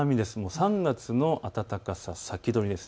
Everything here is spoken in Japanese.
３月の暖かさ先取りです。